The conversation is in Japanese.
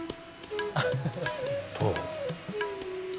どう？